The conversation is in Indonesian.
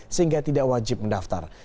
sehingga tidak wajib mendaftar